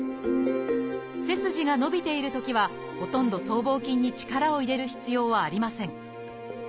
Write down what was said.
背筋が伸びているときはほとんど僧帽筋に力を入れる必要はありません。